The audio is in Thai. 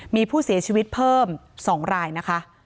มีผู้เสียชีวิตเพิ่ม๒รายนะคะ